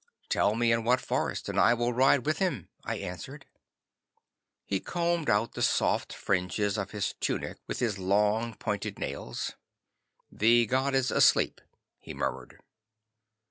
'"Tell me in what forest, and I will ride with him," I answered. 'He combed out the soft fringes of his tunic with his long pointed nails. "The god is asleep," he murmured.